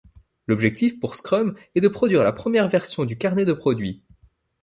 L'objectif pour scrum est de produire la première version du carnet de produit.